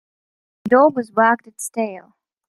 The dog was wagged its tail.